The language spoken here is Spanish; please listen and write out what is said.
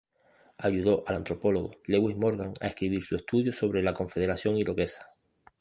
Ayudó al antropólogo Lewis Morgan a escribir su estudio sobre la Confederación Iroquesa.